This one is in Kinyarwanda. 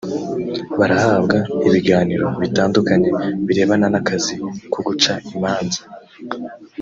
Barahabwa ibiganiro bitandukanye birebana n’akazi ko guca imanza